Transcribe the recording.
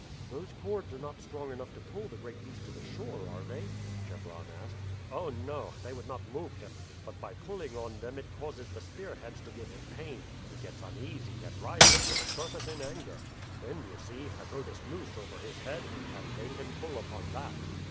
"Those cords are not strong enough to pull the great beast to the shore, are they?" Chebron asked. "Oh, no, they would not move him; but by pulling on them it causes the spear heads to give him pain, he gets uneasy, and rises to the surface in anger. Then, you see, I throw this noose over his head, and they can pull upon that."